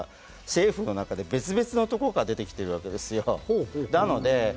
２つの政策は、政府の中で別々のところから出てきているわけですよ。